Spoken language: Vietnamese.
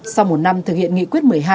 sau một năm thực hiện nghị quyết một mươi hai